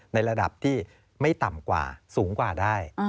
ในระดับที่ไม่ต่ำกว่าสูงกว่าได้